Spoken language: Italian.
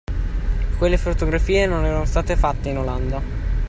Quelle fotografie non erano state fatte in Olanda